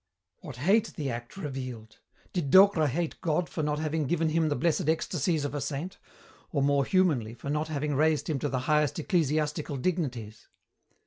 What hate the act revealed! Did Docre hate God for not having given him the blessed ecstasies of a saint, or more humanly for not having raised him to the highest ecclesiastical dignities?